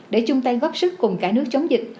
để chung tay góp sức cùng cả nước chống dịch